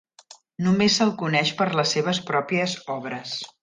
Només se'l coneix per les seves pròpies obres.